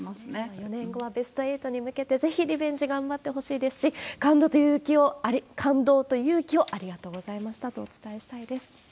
４年後はベスト８に向けてぜひリベンジ頑張ってほしいですし、感動と勇気をありがとうございましたとお伝えしたいです。